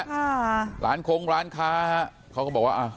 ค่ะหลานคงหลานคาเขาก็บอกว่าอ่า